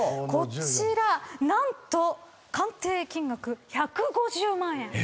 こちら何と鑑定金額１５０万円。